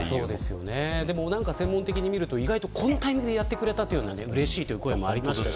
専門的に見るとこのタイミングでやってくれたというのはうれしいという声もありました。